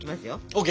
ＯＫ！